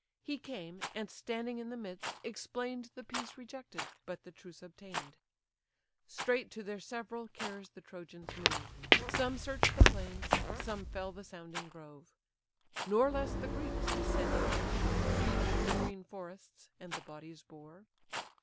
He came, and standing in the midst, explain'd The peace rejected, but the truce obtain'd. Straight to their several cares the Trojans move, Some search the plains, some fell the sounding grove: Nor less the Greeks, descending on the shore, Hew'd the green forests, and the bodies bore.